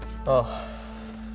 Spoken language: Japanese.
ああ。